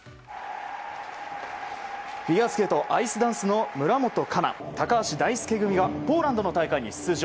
フィギュアスケートアイスダンスの村元哉中、高橋大輔組がポーランドの大会に出場。